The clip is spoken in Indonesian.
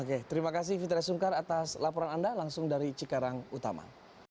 oke terima kasih fitra sungkar atas laporan anda langsung dari cikarang utama